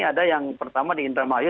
ada yang pertama di indramayu